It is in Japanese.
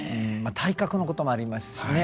体格のこともありますしね。